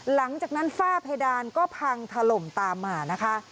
หลังจากนั้นฝ้าเพดานก็พังถล่มตามมานะคะ